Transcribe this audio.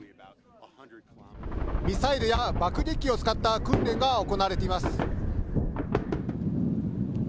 ミサイルや爆撃機を使った訓練が行われています。